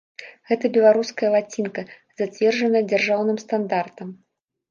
Гэта беларуская лацінка, зацверджаная дзяржаўным стандартам.